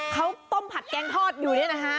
เขาต้มผัดแกงทอดอยู่นี่นะฮะ